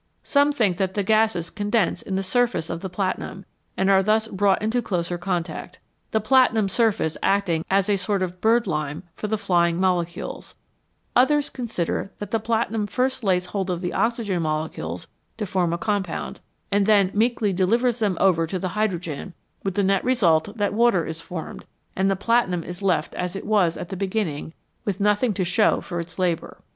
Some think that the gases condense in the surface of the platinum, and are thus brought into closer contact the platinum surface acting as a sort of birdlime for the flying mole cules ; others consider that the platinum first lays hold of the oxygen molecules to form a compound, and then meekly delivers them over to the hydrogen, with the net result that water is formed, and the platinum is left as it was at the beginning, with nothing to show for its labour.